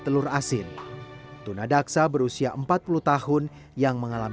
women in asia asia terra